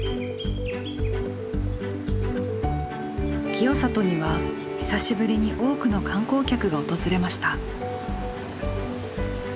清里には久しぶりに多くの観光客が訪れました。